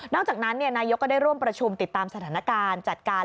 อกจากนั้นนายกก็ได้ร่วมประชุมติดตามสถานการณ์จัดการ